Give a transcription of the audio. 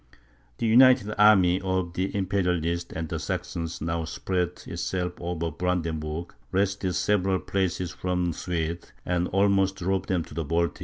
The united army of the Imperialists and the Saxons now spread itself over Brandenburg, wrested several places from the Swedes, and almost drove them to the Baltic.